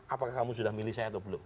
apakah kamu sudah milih saya atau belum